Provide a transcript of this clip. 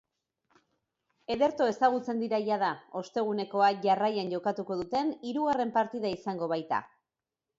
Ederto ezagutzen dira jada, ostegunekoa jarraian jokatuko duten hirugarren partida izango baita.